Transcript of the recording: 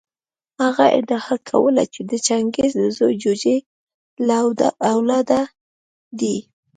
هغه ادعا کوله چې د چنګیز د زوی جوجي له اولاده دی.